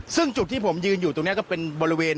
ซึ่งจุดที่ผมยืนอยู่ตรงนี้ก็เป็นบริเวณ